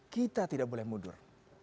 kita tidak boleh mudur